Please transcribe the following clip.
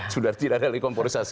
sudah tidak ada lagi komporisasi